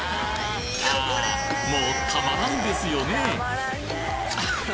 ああもうたまらんですよね？